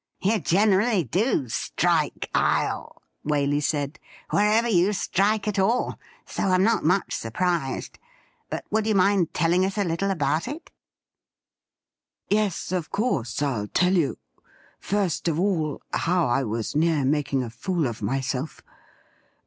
' You generally do strike ile,' Waley said, ' wherever you strike at all ; so I'm not much surprised. But would you mind telling us a little about it .?' '.Yes, of course I'll tell you — first of all, how I was near making a fool of myself.